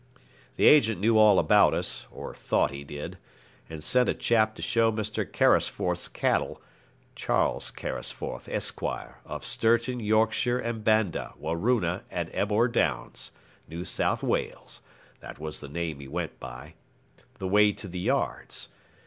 The agent knew all about us (or thought he did), and sent a chap to show Mr. Carisforth's cattle (Charles Carisforth, Esq., of Sturton, Yorkshire and Banda, Waroona, and Ebor Downs, New South Wales; that was the name he went by) the way to the yards.